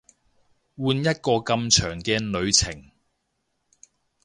換一個咁長嘅旅程